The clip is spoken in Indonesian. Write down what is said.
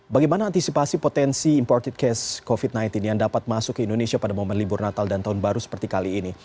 bagaimana antisipasi potensi imported case covid sembilan belas yang dapat masuk ke indonesia pada momen libur natal dan tahun baru seperti kali ini